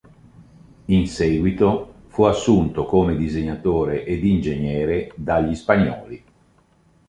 In seguito fu assunto come disegnatore ed ingegnere dagli spagnoli.